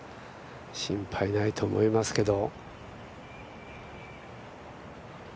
心配ないと思いますけど。